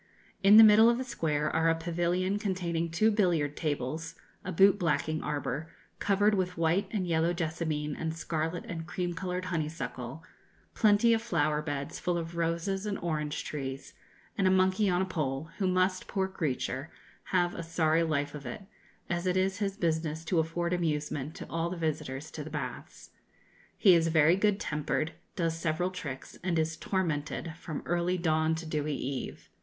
In the middle of the square are a pavilion containing two billiard tables, a boot blacking arbour, covered with white and yellow jessamine and scarlet and cream coloured honeysuckle, plenty of flower beds, full of roses and orange trees, and a monkey on a pole, who must, poor creature, have a sorry life of it, as it is his business to afford amusement to all the visitors to the baths. He is very good tempered, does several tricks, and is tormented 'from early dawn to dewy eve.'